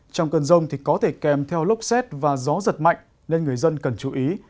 trong cơn rông thì có thể kèm theo lốc xét và gió giật mạnh nên người dân cần chú ý